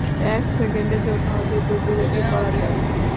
এক সেকেন্ডের জন্য যুদ্ধবিরতি করা যাক।